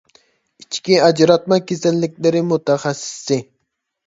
ئىچكى ئاجراتما كېسەللىكلىرى مۇتەخەسسىسى